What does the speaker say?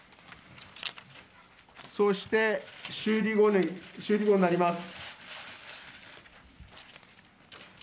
そして、修理後になります。